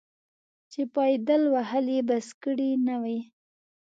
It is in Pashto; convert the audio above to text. چې پایدل وهل یې بس کړي نه وي.